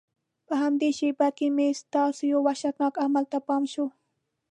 په همدې شېبه کې مې ستا یو وحشتناک عمل ته پام شو.